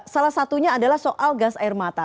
salah satunya adalah soal gas air mata